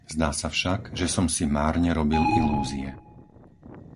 Zdá sa však, že som si márne robil ilúzie.